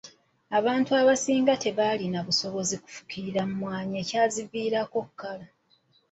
Abantu abasinga tebaalina busobozi bufukirira mmwanyi ekyaziviirako okukala.